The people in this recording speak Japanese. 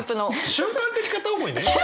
瞬間的片思い！